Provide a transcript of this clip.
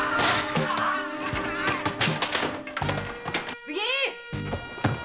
次！